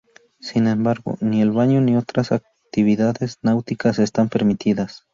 Sin embargo, ni el baño ni otras actividades náuticas están permitidas.